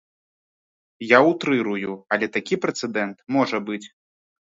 Я ўтрырую, але такі прэцэдэнт можа быць.